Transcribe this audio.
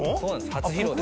初披露です。